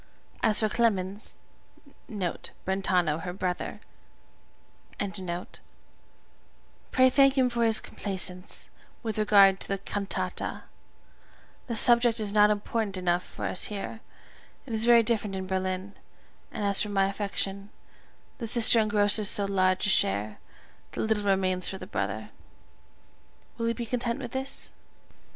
As for Clemens [Brentano, her brother], pray thank him for his complaisance; with regard to the Cantata, the subject is not important enough for us here it is very different in Berlin; and as for my affection, the sister engrosses so large a share, that little remains for the brother. Will he be content with this?